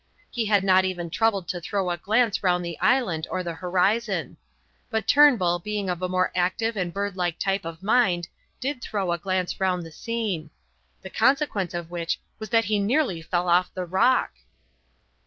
He had not even troubled to throw a glance round the island or the horizon. But Turnbull being of a more active and birdlike type of mind did throw a glance round the scene. The consequence of which was that he nearly fell off the rock.